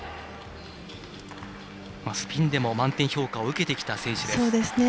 スピンでも満点評価を受けてきた選手です。